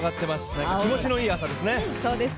何か気持ちのいい朝ですね。